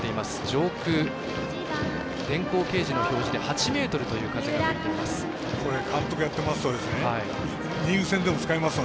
上空、電光掲示の表示で８メートルという風が吹いています。